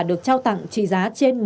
được trao tặng trị giá trên